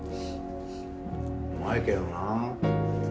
うまいけどなあ。